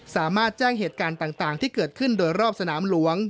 สามารถแจ้งเหตุการณ์ต่างที่เกิดขึ้นโดยรอบสนามหลวง